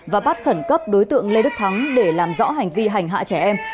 và bắt khẩn cấp đối tượng lê đức thắng để làm rõ hành vi hành hạ trẻ em